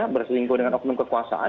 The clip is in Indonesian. berselingkuh dengan oknum kekuasaan